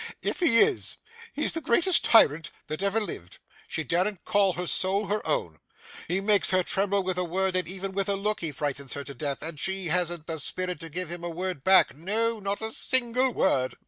He is the greatest tyrant that every lived, she daren't call her soul her own, he makes her tremble with a word and even with a look, he frightens her to death, and she hasn't the spirit to give him a word back, no, not a single word.